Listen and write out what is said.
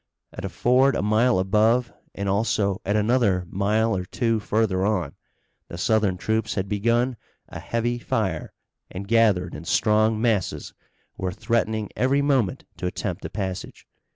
At a ford a mile above and also at another a mile or two further on, the Southern troops had begun a heavy fire, and gathered in strong masses were threatening every moment to attempt the passage.